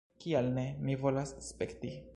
Kial ne? Mi volas spekti